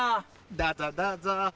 どうぞどうぞ。